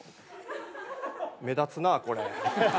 目立つなぁこれ。